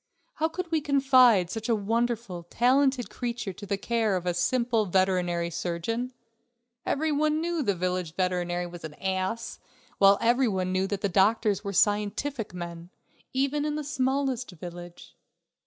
How could we confide such a wonderful, talented creature to the care of a simple veterinary surgeon? Every one knew that the village veterinary was an ass, while every one knew that doctors were scientific men, even in the smallest village.